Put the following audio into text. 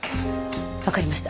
わかりました。